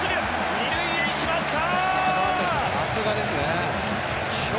２塁へ行きました。